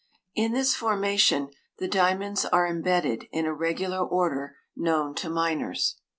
In this formation the diamonds are imbedded, in a reg ular order known to miners.